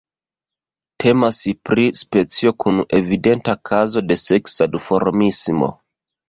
Temas pri specio kun evidenta kazo de seksa duformismo.